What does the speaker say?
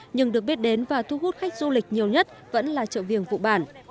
nhưng được biết đến và thu hút khách du lịch nhiều nhất vẫn là chợ viếng phụ bản